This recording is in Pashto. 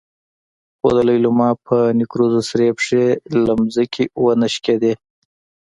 خو د لېلما په نکريزو سرې پښې له ځمکې ونه شکېدلې.